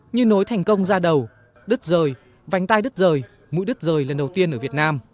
như nối thành công ra đầu đứt rời vánh tai đứt rời mũi đứt rời lần đầu tiên ở việt nam